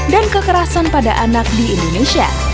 dan kekerasan pada anak di indonesia